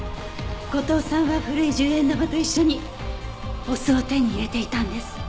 後藤さんは古い１０円玉と一緒にお酢を手に入れていたんです。